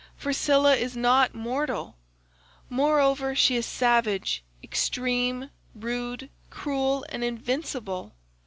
For Scylla is not mortal; moreover she is savage, extreme, rude, cruel and invincible.